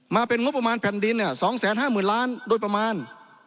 มาเป็นงบประมาณแผ่นดิน๒๕๐๐๐ล้านโดยประมาณ